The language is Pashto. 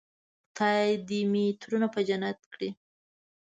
خدای مې دې ترونه په جنت کړي.